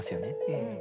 うん。